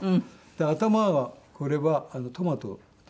頭はこれはトマトですね。